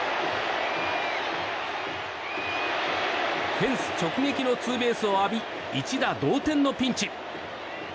フェンス直撃のツーベースを浴び一打同点のピンチ。